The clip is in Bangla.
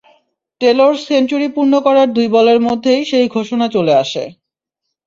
টেলর সেঞ্চুরি পূর্ণ করার দুই বলের মধ্যেই সেই ঘোষণা চলে আসে।